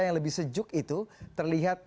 yang lebih sejuk itu terlihat